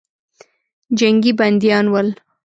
جنګي بندیان ول.